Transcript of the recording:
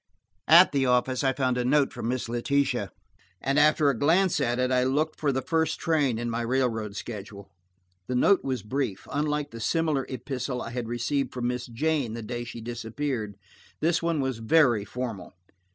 At the office I found a note from Miss Letitia, and after a glance at it I looked for the first train, in my railroad schedule. The note was brief; unlike the similar epistle I had received from Miss Jane the day she disappeared, this one was very formal.